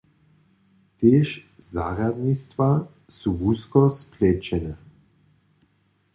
Tež zarjadnistwa su wusko splećene.